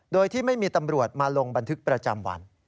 โดยที่ไม่มีตำรวจมาลงบันทึกประจำวัน